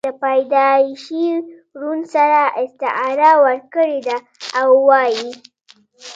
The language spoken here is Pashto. دَپيدائشي ړوند سره استعاره ورکړې ده او وائي: